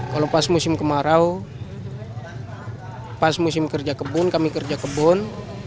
kalau pas musim kemarau pas musim kerja kebun kami kerja kebun